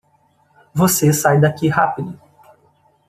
Você sai daqui rápido.